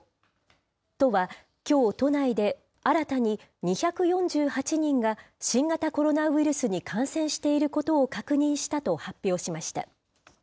都は、きょう都内で、新たに２４８人が新型コロナウイルスに感染していることを確認したと発表しました。